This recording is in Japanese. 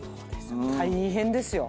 大変ですよ。